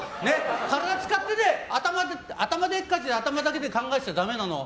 体使って、頭でっかちで頭だけで考えてたらダメなの！